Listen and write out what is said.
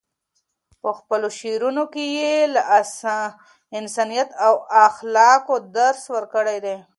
په خپلو شعرونو کې یې د انسانیت او اخلاقو درس ورکړی دی.